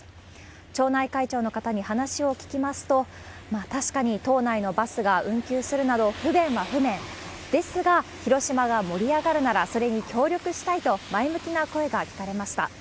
町内会長の方に話を聞きますと、確かに島内のバスが運休するなど、不便は不便ですが、広島が盛り上がるならそれに協力したいと、前向きな声が聞かれました。